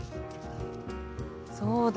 そうだ。